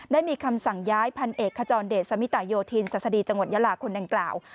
ได้มีคำสั่งย้ายพันเอกขจรเดชสมิตโยธินศดีจังหวัดยาลาคนดังกล่าว